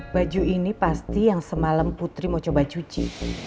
baju ini pasti yang semalam putri mau coba cuci